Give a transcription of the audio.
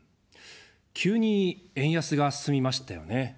急に円安が進みましたよね。